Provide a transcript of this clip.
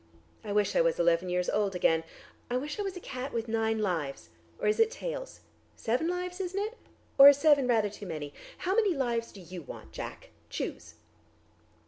I wish I was eleven years old again. I wish I was a cat with nine lives, or is it tails? Seven lives, isn't it? Or is seven rather too many? How many lives do you want, Jack? Choose!"